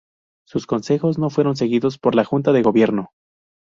Sus consejos no fueron seguidos por la Junta de Gobierno.